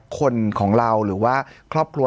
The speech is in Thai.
คนของเราหรือว่าครอบครัว